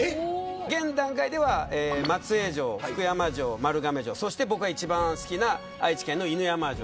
現段階では松江城、福山城、丸亀城そして僕が一番好きな愛知県の犬山城